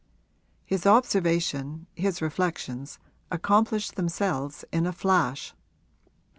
His observation, his reflections, accomplished themselves in a flash.